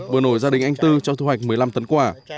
vườn ổi gia đình anh tư cho thu hoạch một mươi năm tấn quả